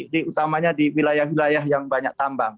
di utamanya di wilayah wilayah yang banyak tambang